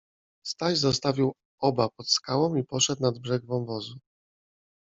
Staś zostawił oba pod skałą i poszedł nad brzeg wąwozu.